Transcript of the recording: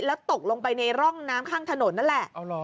แล้วตกลงไปในร่องน้ำข้างถนนนั่นแหละ